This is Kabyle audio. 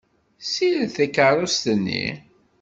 Ssired takeṛṛust-nni.